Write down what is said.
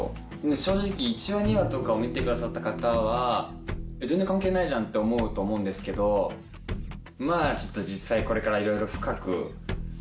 正直１話２話とかを見てくださった方は全然関係ないじゃんって思うと思うんですけどまぁちょっと実際。